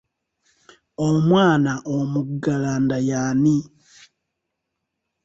Omwana omuggalanda y'ani?